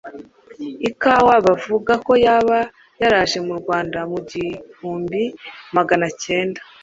Ikawa bavuga ko yaba yaraje mu Rwanda mu mugihumbi Magana cyenda